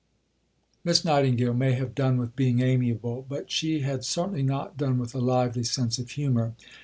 Miss Nightingale may have "done with being amiable"; but she had certainly not done with a lively sense of humour.